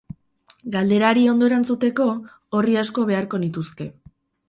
Galderari ondo erantzuteko, orri asko beharko nituzke.